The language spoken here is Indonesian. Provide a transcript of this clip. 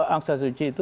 aung san suu kyi itu